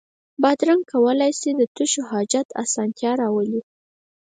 بادرنګ کولای شي د تشو حاجت اسانتیا راولي.